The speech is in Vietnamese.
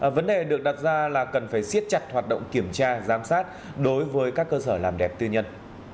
vấn đề được đặt ra là cần phải siết chặt hoạt động kiểm tra giám sát đối với các cơ sở làm đẹp tư nhân